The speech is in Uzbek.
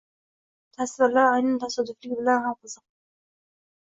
Tasvirlar aynan tasodifiyligi bilan ham qiziq